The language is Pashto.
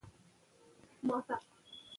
کلي د افغان ځوانانو لپاره دلچسپي لري.